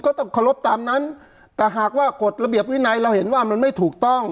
ก็ต้องเคารพตามนั้นแต่หากว่ากฎระเบียบวินัยเราเห็นว่ามันไม่ถูกต้อง